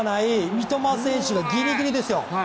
三笘選手もギリギリですよ。